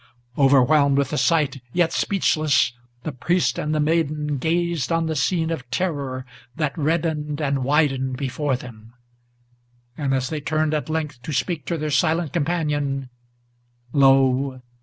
Overwhelmed with the sight, yet speechless, the priest and the maiden Gazed on the scene of terror that reddened and widened before them; And as they turned at length to speak to their silent companion, Lo!